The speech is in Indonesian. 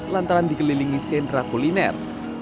lantaran dikelilingi sentra kuliner